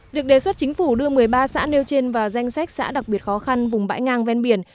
việc đề xuất chính phủ đưa một mươi ba xã nêu trên vào danh sách xã đặc biệt khó khăn vùng bãi ngang ven biển